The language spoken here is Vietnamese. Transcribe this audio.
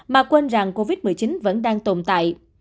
mà quên rằng covid một mươi chín vẫn đang tồn tại